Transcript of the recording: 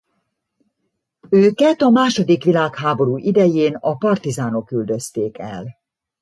Őket a második világháború idején a partizánok üldözték el.